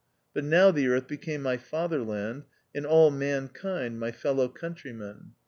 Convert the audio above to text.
But now the Earth became my fatherland, and all mankind my fellow countrymen.